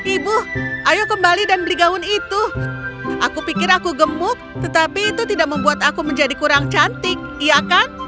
ibu ayo kembali dan beli gaun itu aku pikir aku gemuk tetapi itu tidak membuat aku menjadi kurang cantik iya kan